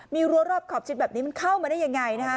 มีรั้วรอบขอบชิดแบบนี้มันเข้ามาได้ยังไง